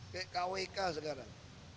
kayak kwk sekarang